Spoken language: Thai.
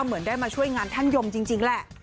เหมือนได้มาช่วยงานท่านยมจริงแหละ